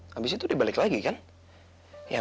tapi dia akan kembali